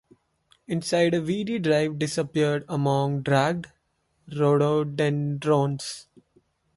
Inside a weedy drive disappeared among ragged rhododendrons.